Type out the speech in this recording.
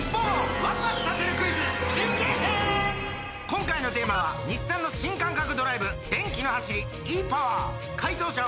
今回のテーマは日産の新感覚ドライブ電気の走りｅ−ＰＯＷＥＲ解答者を呼んでみましょう神田さん！